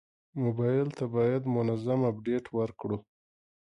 موبایل ته باید منظم اپډیټ ورکړو.